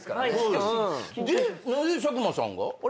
で何で佐久間さんが？